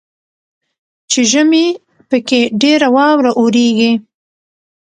چې ژمي پکښې ډیره واوره اوریږي.